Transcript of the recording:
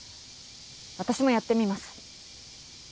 私もやってみます。